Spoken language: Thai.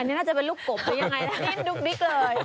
อันนี้น่าจะเป็นลูกกบเลยยังไงล่ะ